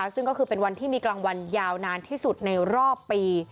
ซึ่งก็คือเป็นวันที่มีกลางวันยาวนานที่สุดในรอบปี